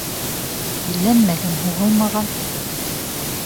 Иләнмәгән, һуғылмаған